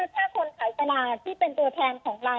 ถ้าคนขายตลาดที่เป็นตัวแทนของเรา